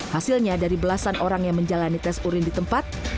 hasilnya dari belasan orang yang menjalani tes urin di tempat